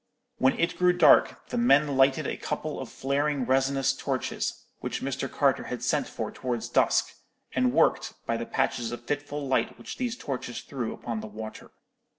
"When it grew dark, the men lighted a couple of flaring resinous torches, which Mr. Carter had sent for towards dusk, and worked, by the patches of fitful light which these torches threw upon the water.